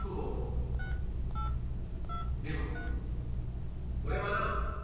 「平馬俺はな